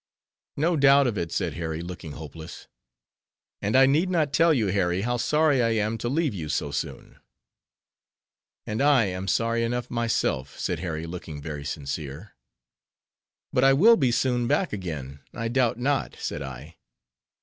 "No doubt of it," said Harry, looking hopeless. "And I need not tell you, Harry, how sorry I am to leave you so soon." "And I am sorry enough myself," said Harry, looking very sincere. "But I will be soon back again, I doubt not," said I.